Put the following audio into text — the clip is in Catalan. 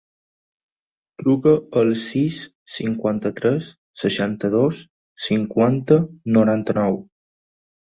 Truca al sis, cinquanta-tres, seixanta-dos, cinquanta, noranta-nou.